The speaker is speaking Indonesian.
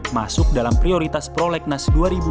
masuk dalam prioritas prolegnas dua ribu dua puluh